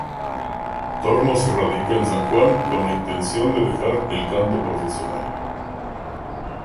Tormo se radica en San Juan con la intención de dejar el canto profesional.